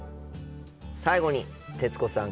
最後に徹子さん